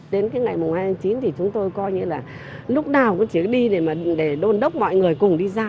đến cái ngày mùng hai mươi chín thì chúng tôi coi như là lúc nào cũng chỉ đi để đôn đốc mọi người cùng đi ra